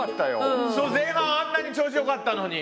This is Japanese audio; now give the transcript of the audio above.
前半あんなに調子よかったのに。